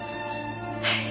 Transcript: はい！